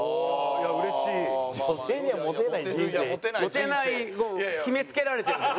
モテないもう決めつけられてるけどね。